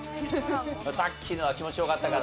さっきのは気持ち良かったからな。